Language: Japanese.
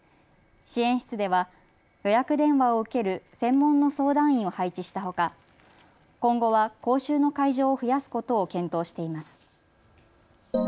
支援室では予約電話を受ける専門の相談員を配置したほか今後は講習の会場を増やすことを検討しています。